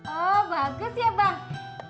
oh bagus ya bang